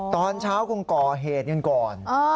ตอนเช้าคงก่อเหตุกันก่อน